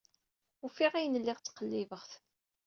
Ufiɣ ayen lliɣ ttqellibeɣ-t.